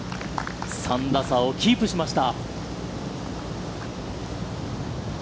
３打差をキープしました。